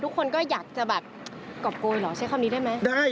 ทุกคนก็อยากจะแบบกรอบโกยเหรอใช้คำนี้ได้ไหมได้